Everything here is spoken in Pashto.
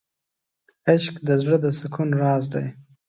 عشق د زړه د سکون راز دی.